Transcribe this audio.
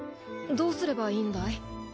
どうすればいいんだい？